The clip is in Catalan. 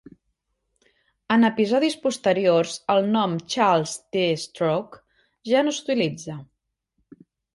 En episodis posteriors, el nom Charles D. Stroke ja no s'utilitza.